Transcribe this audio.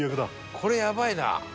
「これやばいな」